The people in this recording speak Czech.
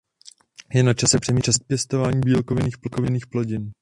Je načase přemístit pěstování bílkovinných plodin.